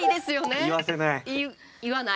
言わせない。